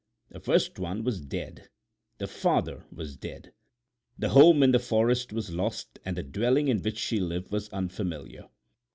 The first one was dead. The father was dead. The home in the forest was lost and the dwelling in which she lived was unfamiliar.